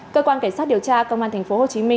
cơ quan cảnh sát điều tra công an tp hcm